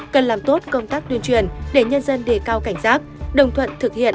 cần làm tốt công tác tuyên truyền để nhân dân đề cao cảnh giác đồng thuận thực hiện